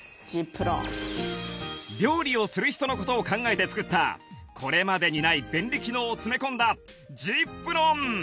料理をする人の事を考えて作ったこれまでにない便利機能を詰め込んだ ｚｉｐｒｏｎ